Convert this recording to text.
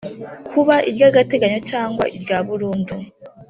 Kuba iry agateganyo cyangwa irya burundu